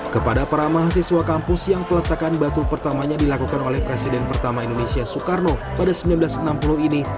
kepada para mahasiswa kampus yang peletakan batu pertamanya dilakukan oleh presiden pertama indonesia soekarno pada seribu sembilan ratus enam puluh ini